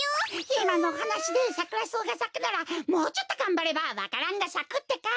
いまのおはなしでサクラソウがさくならもうちょっとがんばればわか蘭がさくってか。